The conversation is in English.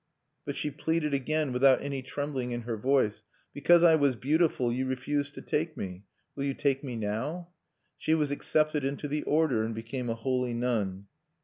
But she pleaded again, without any trembling in her voice: 'Because I was beautiful, you refused to take me. Will you take me now?' She was accepted into the Order, and became a holy nun....